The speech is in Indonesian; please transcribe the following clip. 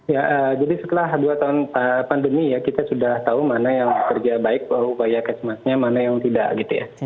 ya jadi setelah dua tahun pandemi ya kita sudah tahu mana yang bekerja baik upaya kesmasnya mana yang tidak gitu ya